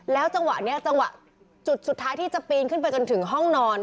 จังหวะนี้จังหวะจุดสุดท้ายที่จะปีนขึ้นไปจนถึงห้องนอน